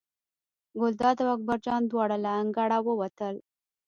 ګلداد او اکبر جان دواړه له انګړه ووتل.